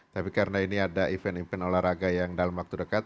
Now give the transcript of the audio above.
tapi karena ini ada event event olahraga yang dalam waktu dekat